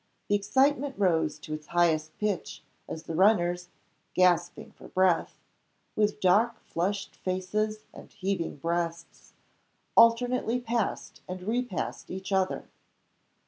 The excitement rose to its highest pitch, as the runners gasping for breath; with dark flushed faces, and heaving breasts alternately passed and repassed each other.